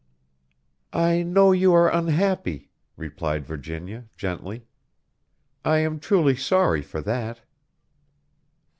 "I know you are unhappy," replied Virginia, gently. "I am truly sorry for that."